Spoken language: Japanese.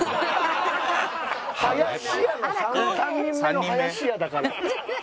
林家の３人目の林家だから。